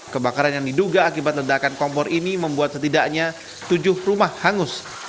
kebakaran yang diduga akibat ledakan kompor ini membuat setidaknya tujuh rumah hangus